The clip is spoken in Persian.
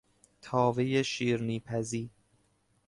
تاوهی شیرینی پزی